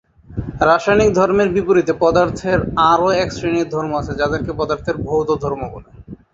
রাসায়নিক ধর্মের বিপরীতে পদার্থের আরও এক শ্রেণীর ধর্ম আছে, যাদেরকে পদার্থের ভৌত ধর্ম বলে।